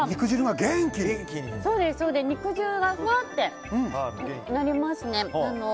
肉汁がふわってなりますね。